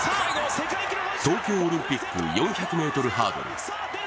東京オリンピック４００ｍハードル。